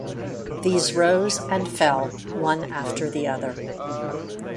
These rose and fell, one after the other.